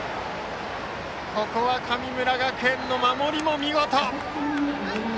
ここは神村学園の守りが見事。